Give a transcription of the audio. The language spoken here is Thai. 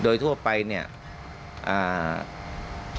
โดยทั่วไปเนี่ยการที่เราพบผู้เสียชีวิตในลักษณะนี้